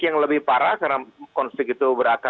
yang lebih parah karena konflik itu